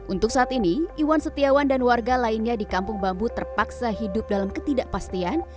untuk saat ini iwan setiawan dan warga lainnya di kampung bambu terpaksa hidup dalam ketidakpastian